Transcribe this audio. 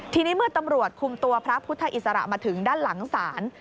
ทีนี้เมื่อตำรวจคุมตัวพระพุทธอิสระมาถึงด้านหลังศาล